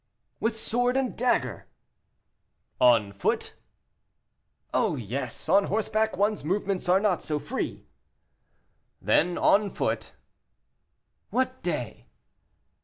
"With sword and dagger." "On foot?" "Oh, yes! on horseback one's movements are not so free." "Then, on foot." "What day?"